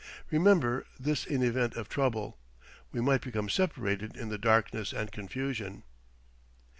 Remember this in event of trouble. We might become separated in the darkness and confusion...."